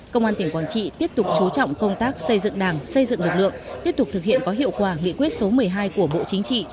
công an tỉnh quảng trị tiếp tục chú trọng công tác xây dựng đảng xây dựng lực lượng tiếp tục thực hiện có hiệu quả nghị quyết số một mươi hai của bộ chính trị